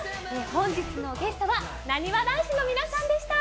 本日のゲストはなにわ男子の皆さんでした。